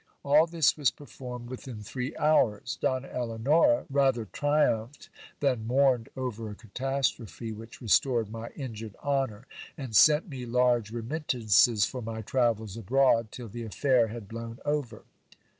All this was performed within three hours. Donna Eleonora rather triumph ed than mourned over a catastrophe, which restored my injured honour ; and sent me large remittances for my travels abroad, till the affair had blown over.